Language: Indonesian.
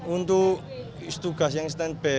untuk tugas yang stand by